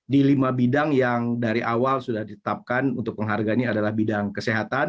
di lima bidang yang dari awal sudah ditetapkan untuk penghargaan ini adalah bidang kesehatan